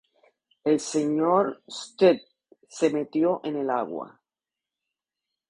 El Sr. Stead se metió en el agua.